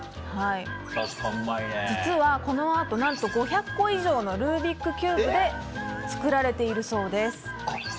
実は、このアート何と５００個以上のルービックキューブで作られているんです。